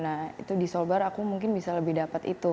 nah itu di solbar aku mungkin bisa lebih dapat itu